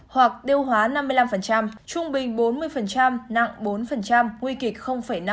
hoặc tiêu hóa năm mươi năm trung bình bốn mươi nặng bốn nguy kịch năm